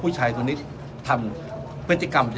ผู้ชายคนนี้ทำพยัตริกรรมอย่างไร